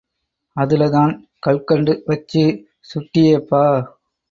அதுலதான் கல்கண்டு வச்சு சுட்டியேப்பா!